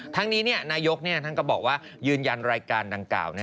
ทั้งนี้นายกท่านก็บอกว่ายืนยันรายการดังกล่าว